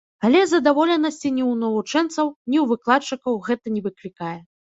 Але задаволенасці ні ў навучэнцаў, ні ў выкладчыкаў гэта не выклікае.